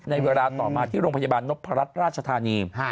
ในเวลาต่อมาที่โรงพยาบาลนพรัชราชธานี